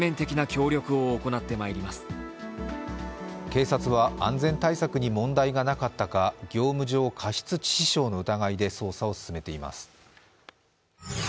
警察は安全対策に問題がなかったか業務上過失致死傷の疑いで捜査を進めています。